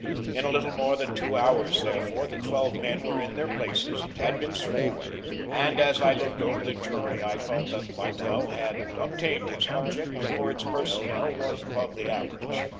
In a little more than two hours therefore, the twelve men were in their places and had been sworn, and as I looked over the jury, I felt that Littell had obtained his object, for its personnel was above the average.